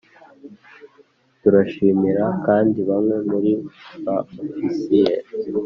turashimira kandi bamwe muri ba ofisiye